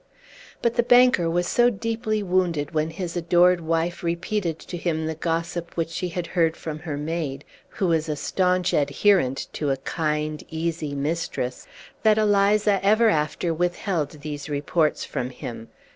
But the banker was so deeply wounded when his adored wife repeated to him the gossip which she had heard from her maid, who was a stanch adherent to a kind, easy mistress, that Eliza ever after withheld these reports from him.